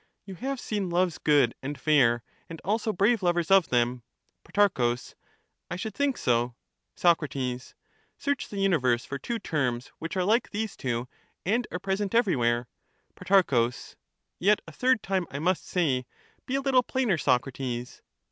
You have seen loves good and fair, and also brave lovers of them. Pro. I should think so. Soc, Search the universe for two terms which are like these two and are present everywhere. Pro, Yet a third time I must say\ Be a little plainer, Socrates.